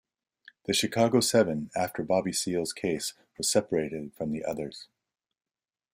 the "Chicago Seven" after Bobby Seale's case was separated from the others.